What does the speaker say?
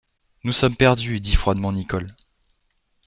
Nous sommes perdus, dit froidement Nicholl.